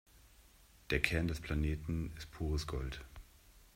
Der Kern des Planeten ist pures Gold.